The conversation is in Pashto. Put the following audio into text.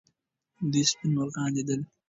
دوی سپین مرغان لیدل.